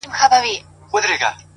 o لږه توده سومه زه،